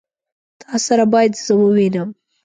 تا سره بايد زه ووينم.